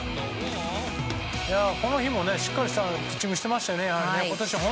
この日もしっかりしたピッチングしてましたね。